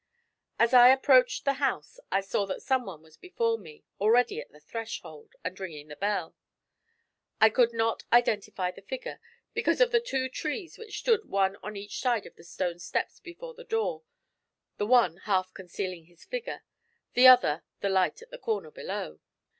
As I approached the house I saw that someone was before me, already at the threshold, and ringing the bell. I could not identify the figure, because of the two trees which stood one on each side of the stone steps before the door, the one half concealing his figure, the other the light at the corner below.